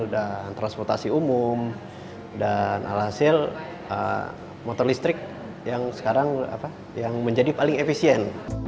dan transportasi umum dan alhasil motor listrik yang sekarang menjadi paling efisien